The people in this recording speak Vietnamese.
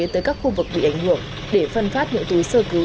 tới các khu vực bị ảnh hưởng để phân phát những túi sơ cứu